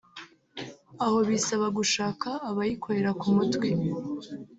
aho bisaba gushaka abayikorera ku mutwe